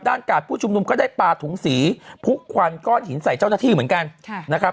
กาดผู้ชุมนุมก็ได้ปลาถุงสีพุกควันก้อนหินใส่เจ้าหน้าที่เหมือนกันนะครับ